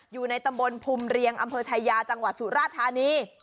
อยู่ในตำบลภูมิเรียงอำเภอชายาจังหวัดสุราธานี